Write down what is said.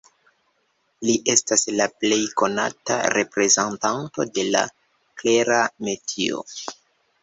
Li estas la plej konata reprezentanto de la Klera metio.